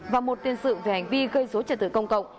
và một tiền sự về hành vi gây dối trật tự công cộng